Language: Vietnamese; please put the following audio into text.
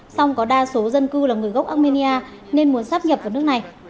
song có đa số dân cư là người gốc armenia nên muốn sắp nhập vào nước này